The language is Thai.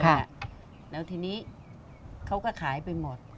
แล้วทีนี้เขาก็ขายไปหมด